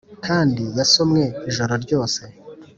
kandi yasomwe ijoro ryiza